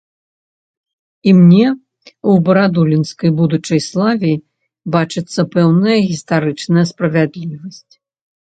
І мне ў барадулінскай будучай славе бачыцца пэўная гістарычная справядлівасць.